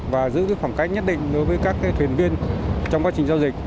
và giữ khoảng cách nhất định đối với các thuyền viên trong quá trình giao dịch